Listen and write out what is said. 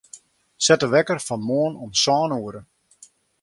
Set de wekker foar moarn om sân oere.